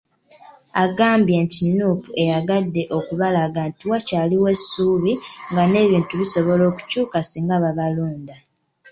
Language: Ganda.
Agambye nti Nuupu eyagadde okubalaga nti wakyaliwo essuubi nga n'ebintu bisobola okukyuka singa babalonda.